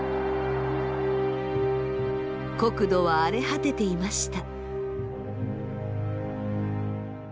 国土は荒れ果てていました。